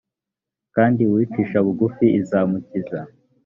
kandi uwicisha bugufi izamukiza